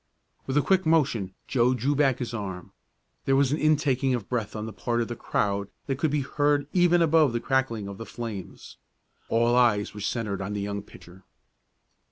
With a quick motion Joe drew back his arm. There was an intaking of breath on the part of the crowd that could be heard even above the crackling of the flames. All eyes were centered on the young pitcher.